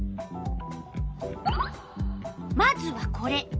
まずはこれ。